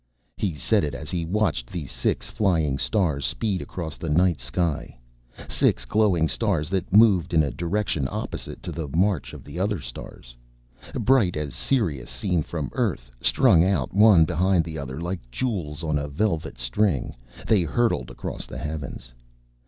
He said it as he watched the Six Flying Stars speed across the night sky six glowing stars that moved in a direction opposite to the march of the other stars. Bright as Sirius seen from Earth, strung out one behind the other like jewels on a velvet string, they hurtled across the heavens.